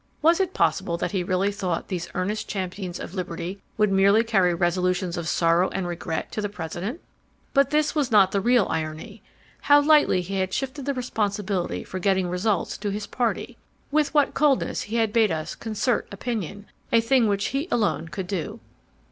Was it possible that he really thought these earnest champions of liberty would merely carry resolutions of sorrow and regret to the President? But this was not the real irony. How lightly he had shifted the responsibility for getting results to his party. With what coldness he had bade us "concert opinion," a thing which he alone could do.